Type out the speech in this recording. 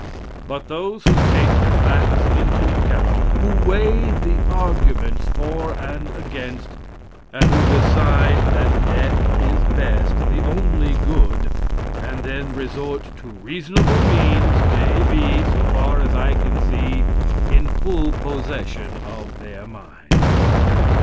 But those who take the facts into account, who weigh the arguments for and against, and who decide that death is best the only good and then resort to reasonable means, may be, so far as I can see, in full possession of their minds.